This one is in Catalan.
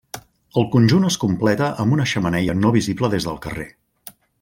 El conjunt es completa amb una xemeneia no visible des del carrer.